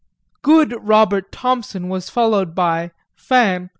XXIV Good Robert Thompson was followed by fin M.